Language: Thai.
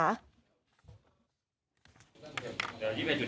หรือที่นี่